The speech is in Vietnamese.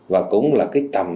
và cũng là cái tầm